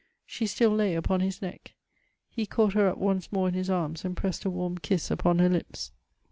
she still lay upon his neck .... he caught her up once more in his arms and pressed a warm kiss upon her lips.